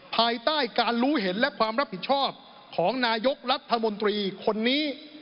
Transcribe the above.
ภายใต้การรู้เห็นและความรับผิดชอบของนายกรัฐมนตรีคนนี้